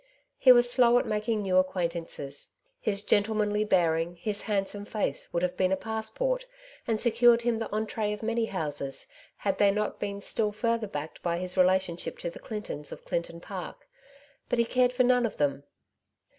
He was slow at making new acquaintances. His gentlemanly bearing, his handsome face, would have been a passport, and secured him the entree of many houses, had they not been still further backed by his relationship to the Clintons of Clinton Park; but he cared for none of them.